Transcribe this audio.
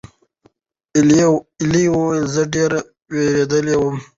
ایلي وویل: "زه ډېره وېرېدلې وم."